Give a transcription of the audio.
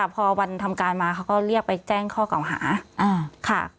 พอวันทำการมาเขาก็เรียกไปแจ้งข้อเก่าหาค่ะ